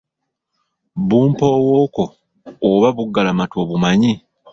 Bumpowooko oba buggalamatu obumanyi?